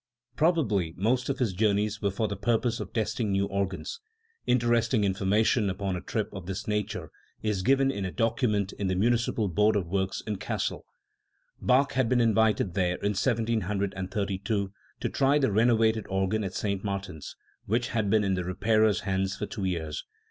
Probably most of his journeys were for the purpose of testing new organs. Interesting information upon a trip of this nature is given in a document in the municipal Board of Works in Cassel. Bach had been invited there in 1732 to try the renovated organ at St. Martin's, which had been in the repairers' hands for two years.